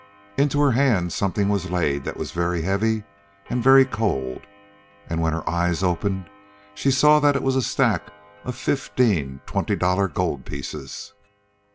Into her hand something was laid that was very heavy and very cold, and when her eyes opened she saw it was a stack of fifteen twenty dollar gold pieces.